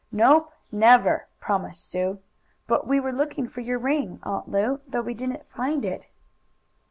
"Nope never!" promised Sue, "But we were looking for your ring, Aunt Lu, though we didn't find it."